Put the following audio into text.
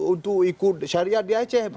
untuk ikut syariah di aceh